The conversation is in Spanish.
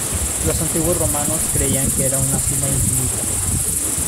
Los antiguos romanos creían que era una sima infinita.